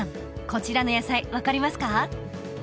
こちらの野菜分かりますか？